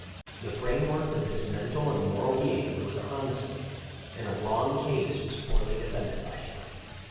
The framework of his mental and moral being was honesty, and a wrong case was poorly defended by him.